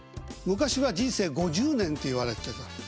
昔は人生５０年っていわれてた。